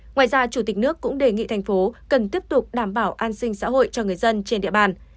ngoài ra chủ tịch nước cũng đề nghị thành phố cần tiếp tục đảm bảo an sinh xã hội cho người dân trên địa bàn